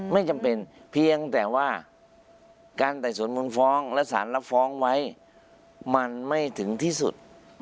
ไม่จำเป็นเพียงแต่ว่าการไต่สวนมูลฟ้องและสารรับฟ้องไว้มันไม่ถึงที่สุด